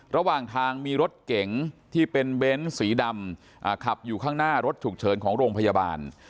ระหว่างทางมีรถเก๋งที่เป็นเบ้นสีดำขับอยู่ข้างหน้ารถฉุกเฉินของโรงพยาบาล